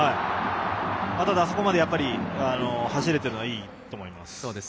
ただ、あそこまで走るというのはいいと思います。